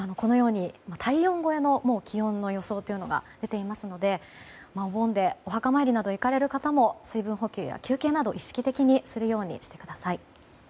体温超えの気温の予想が出ていますので、お盆でお墓参りなどに行かれる方も水分補給や休憩などを意識的にするようにしてください。